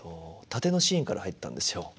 殺陣のシーンから入ったんですよ。